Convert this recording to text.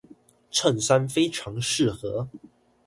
襯衫非常適合